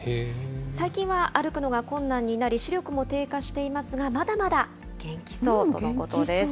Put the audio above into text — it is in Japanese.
最近は歩くのが困難になり、視力も低下していますが、まだまだ元気そうとのことです。